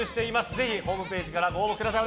ぜひホームページからご応募ください。